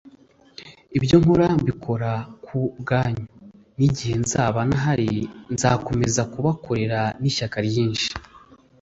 Ibyo nkora mbikora ku bwanyu. N'igihe nzaba ntahari, nzakomeza kubakorera n'ishyaka ryinshi